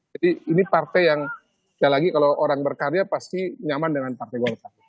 jadi ini partai yang sekali lagi kalau orang berkarya pasti nyaman dengan partai golkar